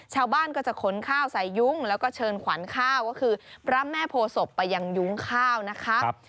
ชาวบ้านก็จะขนข้าวใส่ยุ้งแล้วก็เชิญขวัญข้าวก็คือพระแม่โพศพไปยังยุ้งข้าวนะคะ